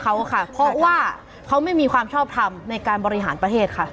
เขาค่ะเพราะว่าเขาไม่มีความชอบทำในการบริหารประเทศค่ะ